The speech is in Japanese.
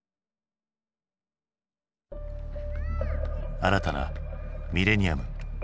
新たなミレニアム。